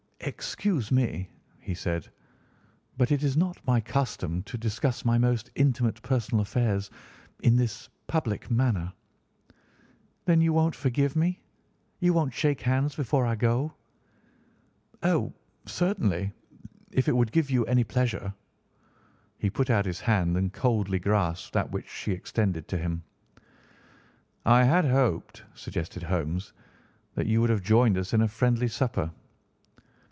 "Excuse me," he said, "but it is not my custom to discuss my most intimate personal affairs in this public manner." "Then you won't forgive me? You won't shake hands before I go?" "Oh, certainly, if it would give you any pleasure." He put out his hand and coldly grasped that which she extended to him. "I had hoped," suggested Holmes, "that you would have joined us in a friendly supper."